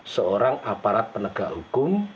seorang aparat penegak hukum